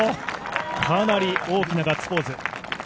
かなり大きなガッツポーズ。